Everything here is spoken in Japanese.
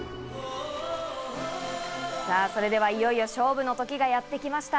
さぁそれでは、いよいよ勝負の時がやってきました。